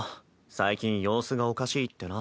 最近様子がおかしいってな。